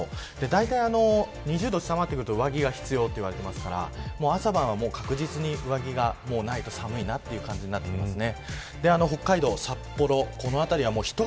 だいたい２０度を下回ると上着が必要と言われてますから朝晩は確実に上着がないと寒いなという感じになってきますね。